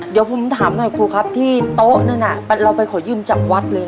เดี๋ยวผมถามหน่อยครูครับที่โต๊ะนั่นน่ะเราไปขอยืมจากวัดเลย